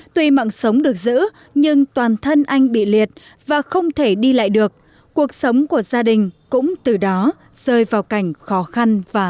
tuy mạng sống được giữ nhưng toàn thân anh bị liệt và không thể đi lại được cuộc sống của gia đình cũng từ đó rơi vào cảnh khóa